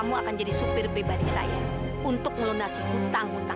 sampai jumpa di video selanjutnya